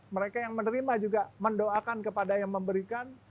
mereka yang menerima juga mendoakan kepada yang memberikan